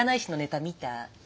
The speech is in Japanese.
見た！